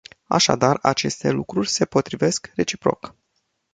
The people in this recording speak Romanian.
Așadar, aceste lucruri se potrivesc reciproc.